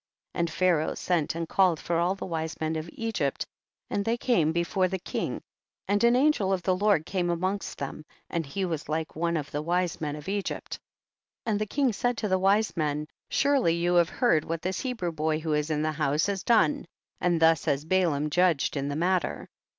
21. And Pharaoh sent and called for all the wise men of Egypt and they came before the king, and an angel of the Lord came amongst them, and he was like one of the wise men of Egypt. 22. And tiie king said to the wise men, surely you have heaixlwhat this Hebrew boy who is in the house has done, and thus has Balaam judged in the matter.